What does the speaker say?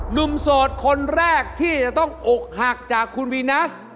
โสดคนแรกที่จะต้องอกหักจากคุณวีนัส